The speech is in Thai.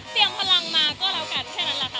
เตียงพลังมาก็โอกาสแค่นั้นแหละค่ะ